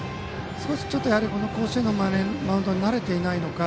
やはり、この甲子園のマウンドに慣れていないのか